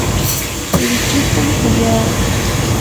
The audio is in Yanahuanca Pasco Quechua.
turikitam kuyaa.